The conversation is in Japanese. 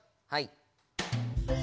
はい。